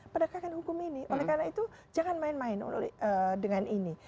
penegakan hukum ini oleh karena itu jangan main main dengan ini